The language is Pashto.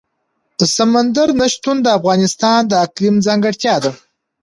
سمندر نه شتون د افغانستان د اقلیم ځانګړتیا ده.